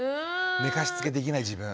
寝かしつけできない自分。